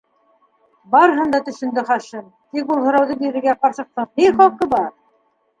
Барыһын да төшөндө Хашим, тик ул һорауҙы бирергә ҡарсыҡтың ни хаҡы бар?